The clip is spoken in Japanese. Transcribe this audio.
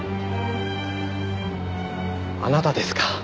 あなたですか。